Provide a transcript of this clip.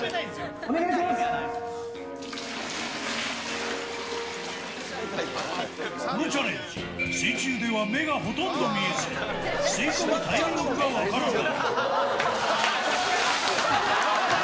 このチャレンジ、水中では目がほとんど見えず、吸い込むタイミングが分からない。